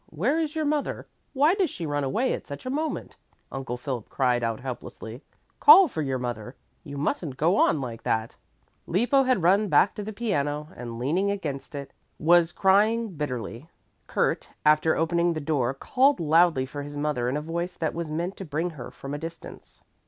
Where is your mother? Why does she run away at such a moment?" Uncle Philip cried out helplessly. "Call for your mother! You mustn't go on like that." Lippo had run back to the piano and, leaning against it, was crying bitterly. Kurt, after opening the door, called loudly for his mother in a voice that was meant to bring her from a distance.